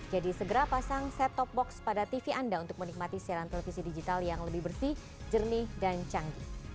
jadi segera pasang set top box pada tv anda untuk menikmati siaran televisi digital yang lebih bersih jernih dan canggih